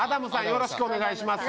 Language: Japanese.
よろしくお願いします。